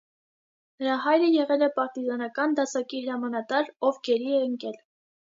Նրա հայրը եղել է պարտիզանական դասակի հրամանատար, ով գերի է ընկել։